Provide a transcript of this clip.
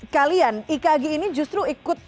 kalian ikagi ini justru ikut